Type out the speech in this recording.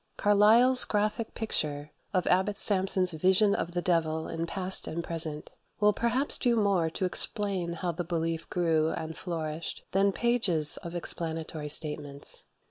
Carlyle's graphic picture of Abbot Sampson's vision of the devil in "Past and Present" will perhaps do more to explain how the belief grew and flourished than pages of explanatory statements.